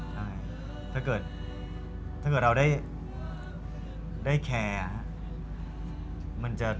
ถ้าเกิดเราได้แคร์อะ